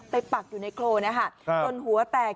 ไปปักอยู่ในโครวต้นหัวแตก